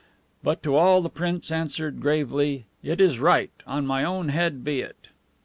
But to all the prince answered gravely, "It is right; on my own head be it!"